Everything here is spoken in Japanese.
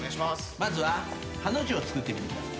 まずはハの字をつくってみてください。